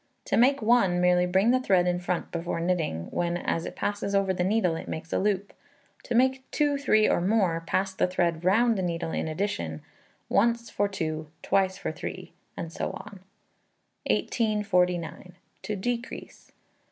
To make one, merely bring the thread in front before knitting, when, as it passes over the needle, it makes a loop; to make two, three, or more, pass the thread round the needle in addition, once for 2, twice for 3, and so on. 1849. To Decrease.